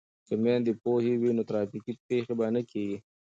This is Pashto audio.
که میندې پوهې وي نو ترافیکي پیښې به نه کیږي.